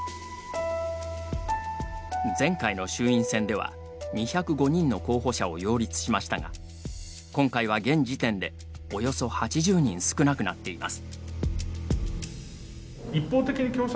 前回の衆院選では２０５人の候補者を擁立しましたが今回は現時点でおよそ８０人少なくなっています。